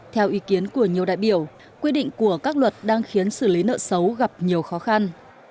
theo ý kiến của nhiều đại biểu quy định của các luật đang khiến xử lý nợ xấu gặp nhiều khó khăn